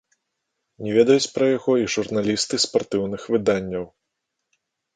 Не ведаюць пра яго і журналісты спартыўных выданняў.